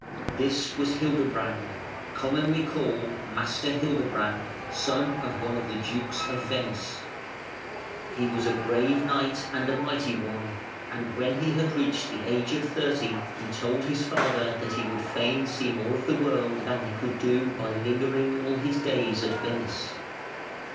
This was Hildebrand, commonly called Master Hildebrand, son of one of the Dukes of Venice. He was a brave knight and a mighty one, and when he had reached the age of thirty he told his father that he would fain see more of the world than he could do by lingering all his days at Venice.